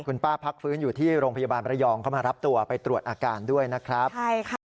คุณป้าพักฟ้ืนอยู่ที่โรงพยาบาลรายอง